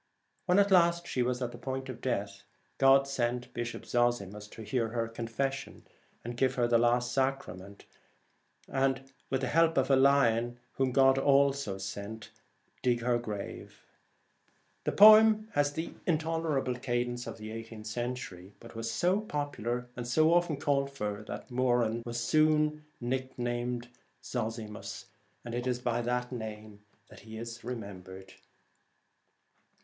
When at last she was at the point of death, God sent Bishop Zozimus to hear her confession, give her the last sacrament, and with the help of a lion, whom He sent also, dig her grave. The poem has the intoler able cadence of the eighteenth century, but was so popular and so often called for that Moran was soon nicknamed Zozimus, and by that name is he remembered.